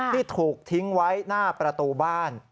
ที่ถูกทิ้งไว้หน้าประตูบ้าน